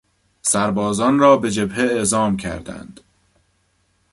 سربازان را به جبهه اعزام کردند.